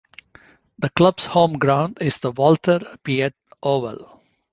The club's home ground is the Walter Peate Oval.